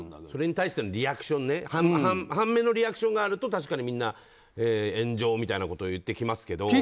それに対してのリアクション反面のリアクションがあると確かに、みんな炎上みたいなことを言いますけど。